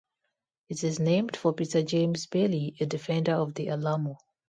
It is named for Peter James Bailey, a defender of the Alamo.